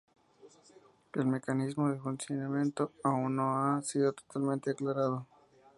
El mecanismo de funcionamiento aún no ha sido totalmente aclarado.